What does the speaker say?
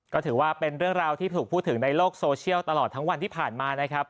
ก็ถือว่าเป็นเรื่องราวที่ถูกพูดถึงในโลกโซเชียลตลอดทั้งวันที่ผ่านมานะครับ